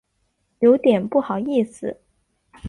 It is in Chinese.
有点不好意思